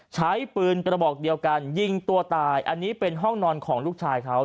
ใช้ปืนกระบอกเดียวกันยิงตัวตายอันนี้เป็นห้องนอนของลูกชายเขา